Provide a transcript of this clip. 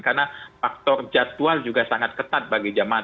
karena faktor jadwal juga sangat ketat bagi jamaah